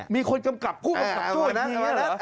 มีคนกำกับผู้กำกับโจ้อย่างนี้เหรอ